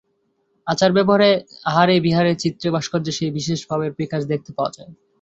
আচারে-ব্যবহারে, আহারে-বিহারে, চিত্রে-ভাস্কর্যে সেই বিশেষ ভাবের বিকাশ দেখতে পাওয়া যায়।